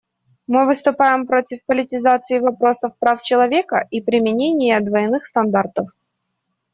Мы выступаем против политизации вопросов прав человека и применения двойных стандартов.